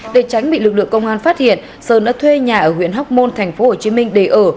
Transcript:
để tránh bị lực lượng công an phát hiện sơn đã thuê nhà ở huyện hóc môn tp hcm để ở